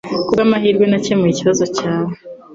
Kubwamahirwe nakemuye ikibazo cyawe